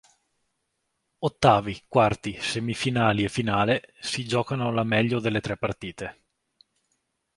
Ottavi, quarti, semifinali e finale si giocano alla meglio delle tre partite.